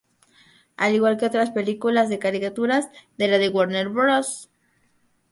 Al igual que otras películas de caricaturas de la Warner Bros.